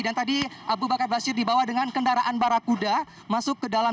dan tadi abu bakar aba asyir dibawa dengan kendaraan barakuda masuk ke dalam